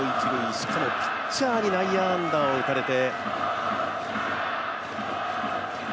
しかもピッチャーに内野安打を打たれて。